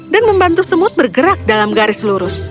dan membantu semut bergerak dalam garis lurus